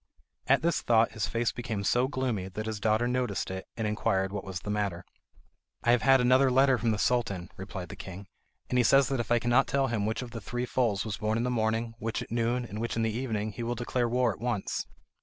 At this thought his face became so gloomy that his daughter noticed it, and inquired what was the matter. "I have had another letter from the Sultan," replied the king, "and he says that if I cannot tell him which of three foals was born in the morning, which at noon, and which in the evening, he will declare war at once."